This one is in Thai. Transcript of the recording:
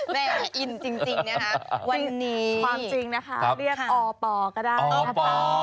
แม่อินจริงนะคะวันนี้ความจริงนะคะเรียกอปก็ได้นะคะ